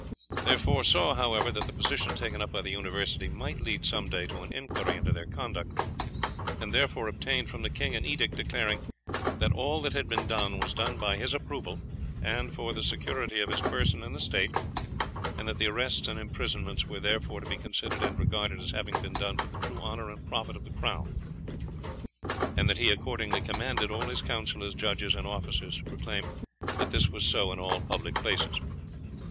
They foresaw, however, that the position taken up by the University might lead some day to an inquiry into their conduct, and therefore obtained from the king an edict declaring that all that had been done was done by his approval and for the security of his person and the state, and that the arrests and imprisonments were therefore to be considered and regarded as having been done for the true honour and profit of the crown, and that he accordingly commanded all his councillors, judges, and officers to proclaim that this was so in all public places.